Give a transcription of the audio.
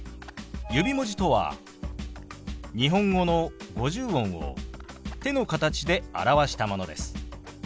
指文字とは日本語の五十音を手の形で表したものです。